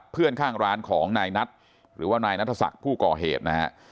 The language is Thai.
เพื่อนข้างร้านของนายนัทหรือว่านายนัทศักดิ์ผู้ก่อเหตุนะฮะ